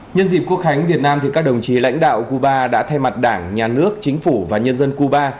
nhân dịp quốc khánh việt nam các đồng chí lãnh đạo cuba đã thay mặt đảng nhà nước chính phủ và nhân dân cuba